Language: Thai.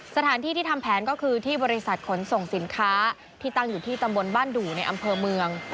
สถานที่ที่ทำแผนก็คือที่บริษัทขนส่งสินค้าที่ตั้งอยู่ที่ตำบลบ้านดู่ในอำเภอเมือง